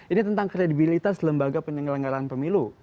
ini tentang kredibilitas lembaga penyelenggaraan pemilu